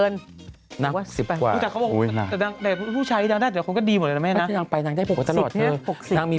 นางบอกอย่างนี้